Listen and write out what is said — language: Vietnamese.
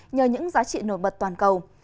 nhờ những giá trị nổi bật toàn cầu